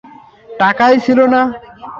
টাকাই ছিলো না।